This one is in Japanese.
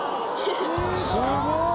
すごい！